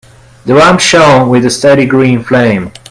The lamp shone with a steady green flame.